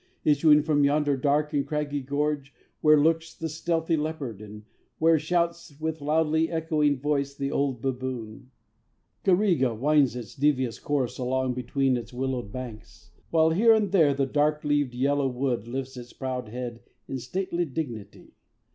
Issuing from yonder dark and craggy gorge, Where lurks the stealthy leopard, and where shouts With loudly echoing voice the bold baboon, Kareiga winds its devious course along Between its willowed banks; while here and there The dark leaved yellow wood lifts its proud head In stately dignity.